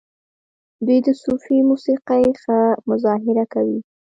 دوی د صوفي موسیقۍ ښه مظاهره کوي.